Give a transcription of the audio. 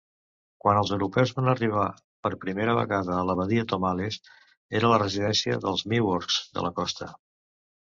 Quan els europeus van arribar per primera vegada a la Badia Tomales, era la residència dels Miwoks de la costa.